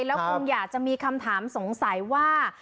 แล้วคงอยากจะมีคำถามสงสัยว่า